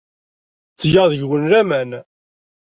Ttgeɣ deg-wen laman.